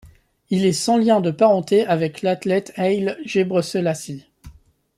Il est sans lien de parenté avec l'athlète Haile Gebreselassie.